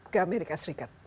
ke amerika serikat